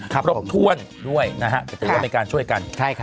ครับผมพรบถ้วนด้วยนะครับจะไม่การช่วยกัน